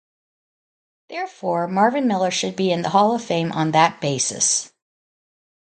Therefore Marvin Miller should be in the Hall of Fame on that basis.